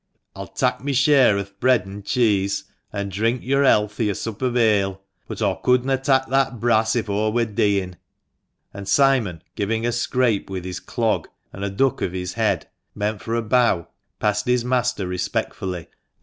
I'll tak' mi' share o' the bread an' cheese, an' drink yo'r health i' a sup o' ale, but aw cudna' tak' that brass if aw wur deein'." And Simon; giving a scrape with his clog, and a duck of his head, meant for a bow, passed his master respectfully, and THE MANCHESTER MAN.